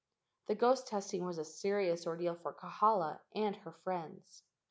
The ghost testing was a serious ordeal for Kahala and her friends.